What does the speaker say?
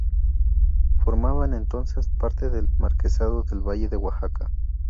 Formaban entonces parte del Marquesado del Valle de Oaxaca.